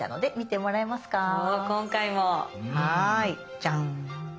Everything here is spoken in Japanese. じゃん。